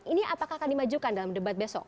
ini apakah akan dimajukan dalam debat besok